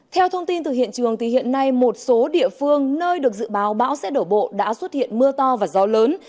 theo thông tin từ hiện trường hiện nay một số địa phương nơi được dự báo bão sẽ đổ bộ đã xuất hiện mưa to và gió lớn